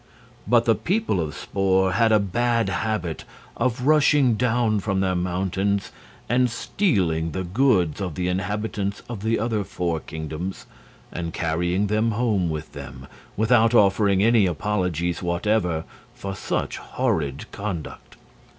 But the people of Spor had a bad habit of rushing down from their mountains and stealing the goods of the inhabitants of the other four kingdoms, and carrying them home with them, without offering any apologies whatever for such horrid conduct.